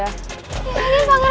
pagi udah bete aja